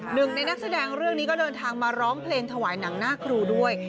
หนึ่งในนักแสดงเรื่องนี้ก็เดินทางมาร้องเพลงถวายหนังหน้าครูด้วย